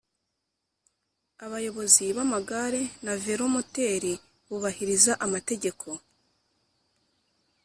Abayobozi b ‘amagare na velomoteri bubahiriza amategeko.